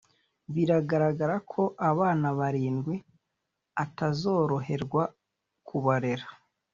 biragaragara ko abana barindwi atazoroherwa kubarera